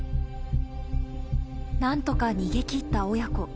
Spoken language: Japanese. なんとか逃げ切った親子。